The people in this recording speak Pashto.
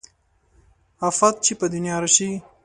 افت چې په دنيا راشي